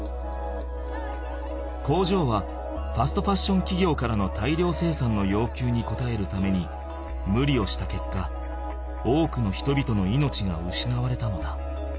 工場はファストファッションきぎょうからの大量生産のようきゅうにこたえるためにむりをしたけっか多くの人々の命がうしなわれたのだ。